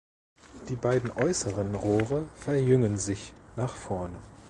Die beiden äußeren Rohre verjüngen sich nach vorne.